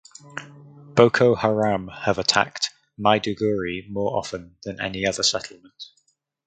Boko Haram have attacked Maiduguri more often than any other settlement.